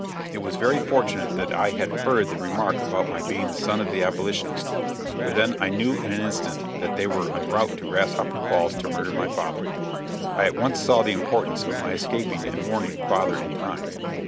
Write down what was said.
It was very fortunate that I had heard the remark about my being "the son of the abolitionist," for then I knew in an instant that they were en route to Grasshopper Falls to murder my father. I at once saw the importance of my escaping and warning father in time.